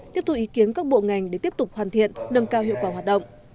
tiếp thu ý kiến các bộ ngành để tiếp tục hoàn thiện nâng cao hiệu quả hoạt động